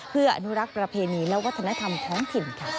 เพื่ออนุรักษ์ประเพณีและวัฒนธรรมท้องถิ่นค่ะ